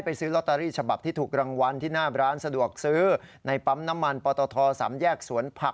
พอรู้ว่าถูกรางวัลจริงดีใจจนพูดไม่ออกเลย